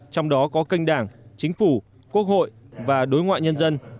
trong đó có kênh đảng chính phủ quốc hội và đối ngoại nhân dân